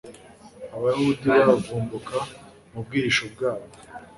abayahudi bavumbuka mu bwihisho bwabo